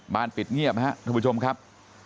บ้านปิดเงียบครับทุกผู้ชมครับ